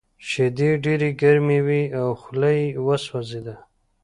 شیدې ډېرې ګرمې وې او خوله یې وسوځېده